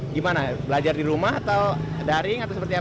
gimana belajar di rumah atau daring atau seperti apa